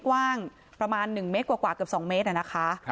กว้างประมาณ๑เมตรกว่าเกือบ๒เมตรนะคะ